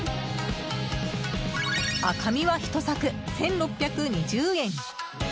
赤身は１柵、１６２０円。